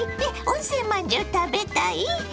温泉まんじゅう食べたい？